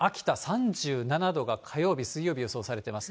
３７度が火曜日、水曜日予想されています。